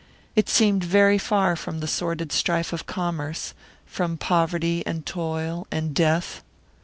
It seemed very far from the sordid strife of commerce, from poverty and toil and death.